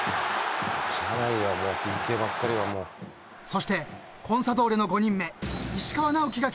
［そしてコンサドーレの５人目石川直樹が］